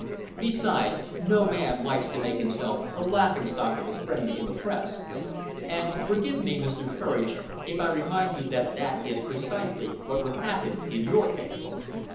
Besides, no man likes to make himself the laughing stock of his friends and the press; and, forgive me, Mr. Courage, if I remind you that that is precisely what would happen in your case."